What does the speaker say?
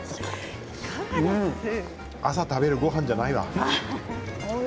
朝食べるごはんじゃないわ。